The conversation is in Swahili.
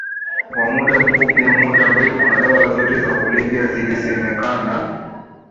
kwa muda mfupi au muda mrefu na dawa zote za kulevya zilisemekana